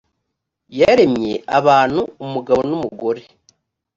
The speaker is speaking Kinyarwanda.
yaremye abantu umugabo n umugore